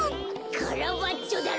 カラバッチョだろ？